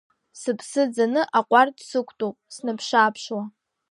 Сыԥсы ӡаны аҟәардә сықәтәоуп, снаԥшааԥшуа.